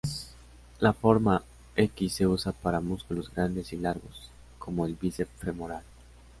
La forma "X" se usa para músculos grandes y largos, como el bíceps femoral.